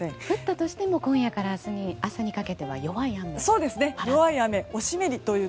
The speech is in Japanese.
降ったとしても今夜から明日にかけては弱い雨と。